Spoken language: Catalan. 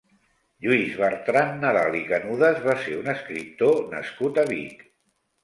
Lluís Bertran Nadal i Canudas va ser un escriptor nascut a Vic.